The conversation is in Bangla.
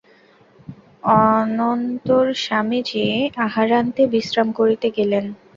অনন্তর স্বামীজী আহারান্তে বিশ্রাম করিতে গেলেন।